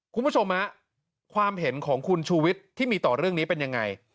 คุณผู้ชมฮะความเห็นของคุณชูวิทย์ที่มีต่อเรื่องนี้เป็นยังไง